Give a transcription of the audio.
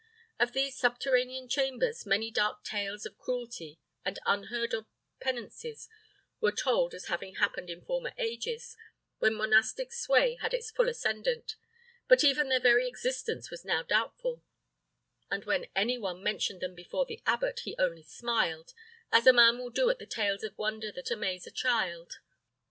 Of these subterranean chambers many dark tales of cruelty and unheard of penances were told as having happened in former ages, when monastic sway had its full ascendant; but even their very existence was now doubtful; and when any one mentioned them before the abbot he only smiled, as a man will do at the tales of wonder that amaze a child.